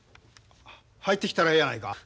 入ってきたらええやないか。